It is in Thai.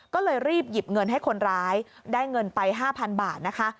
ก็เลยรีบหยิบเงินให้คนร้ายได้เงินไป๕๐๐๐บาทนะคะ